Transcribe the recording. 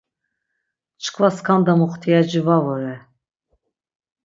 Çkva skanda muxtiyaci va vore.